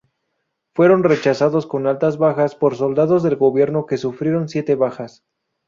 Fueron rechazados con altas bajas por soldados del gobierno que sufrieron siete bajas.